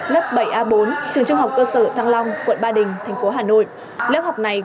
lớp bảy a bốn trường trung học cơ sở thăng long quận ba đình tp hà nội